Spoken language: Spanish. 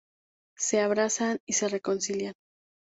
Se abrazan y se reconcilian.